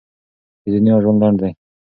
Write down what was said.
د دنیا ژوند لنډ دی.